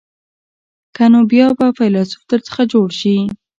که نه نو بیا به فیلسوف در څخه جوړ شي.